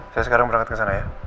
saya sekarang berangkat kesana ya